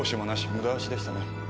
ムダ足でしたね。